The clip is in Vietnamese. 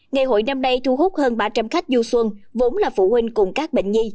ngày hội năm nay thu hút hơn ba trăm linh khách du xuân vốn là phụ huynh cùng các bệnh nhi